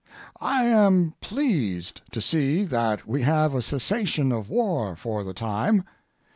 I am pleased to see that we have a cessation of war for the time.